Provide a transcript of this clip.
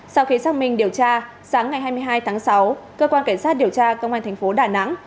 sau khi xác minh điều tra sáng ngày hai mươi hai tháng sáu cơ quan cảnh sát điều tra công an thành phố đà nẵng